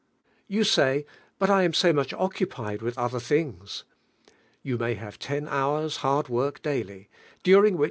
You say, "But I am so much occupied with oilier things." Yuu may have ten hours' hard work daily, pmSH HEALI.H9.